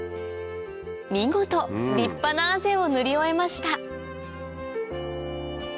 見事立派なあぜを塗り終えました